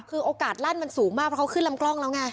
คือโอกาสลั่นมันสูงมากเพราะเขาขึ้นลำกล้องแล้วไง